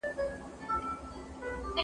زه مخکي درسونه اورېدلي وو!!